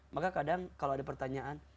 maka kadang kalau ada pertanyaan